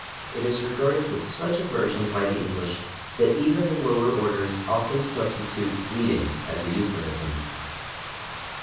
It is regarded with such aversion by the English that even the lower orders often substitute /bleeding/ as a euphemism.